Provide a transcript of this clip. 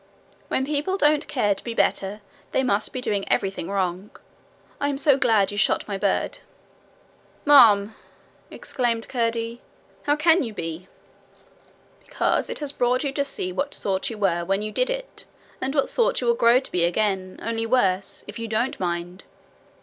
'When people don't care to be better they must be doing everything wrong. I am so glad you shot my bird!' 'Ma'am!' exclaimed Curdie. 'How can you be?' 'Because it has brought you to see what sort you were when you did it, and what sort you will grow to be again, only worse, if you don't mind.